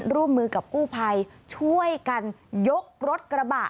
ร่วมมือกับกู้ภัยช่วยกันยกรถกระบะ